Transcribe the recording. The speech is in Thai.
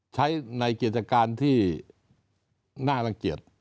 ใช้ในเกี่ยรตรการที่นางลังเกียจ